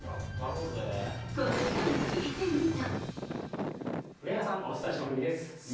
この人に聞いてみた。